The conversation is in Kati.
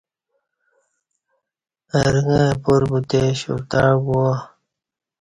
ارݩگہ اہ پار بوتے شرتع گوا